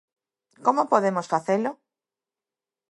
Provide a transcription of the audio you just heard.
¿Como podemos facelo?